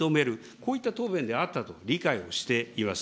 こういった答弁であったと理解をしています。